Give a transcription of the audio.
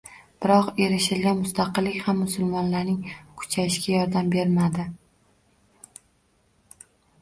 Biroq erishilgan mustaqillik ham musulmonlarning kuchayishiga yordam bermadi